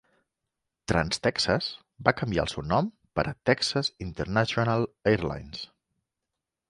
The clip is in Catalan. Trans-Texas va canviar el seu nom per Texas International Airlines.